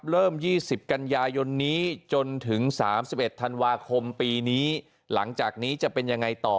เริ่ม๒๐กันยายนนี้จนถึง๓๑ธันวาคมปีนี้หลังจากนี้จะเป็นยังไงต่อ